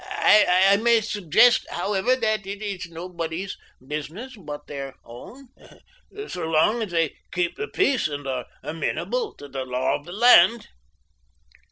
"I may suggest, however, that it is nobody's business but their own, so long as they keep the peace and are amenable to the law of the land."